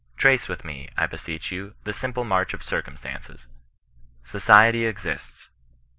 Trace with me, I beseech you, the simple march of circumstances. Society exists.